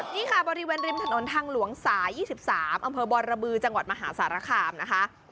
นี่ค่ะบริเวณริมถนนทางหลวงสาย๒๓อำเภอบรบือจังหวัดมหาสารคามนะคะ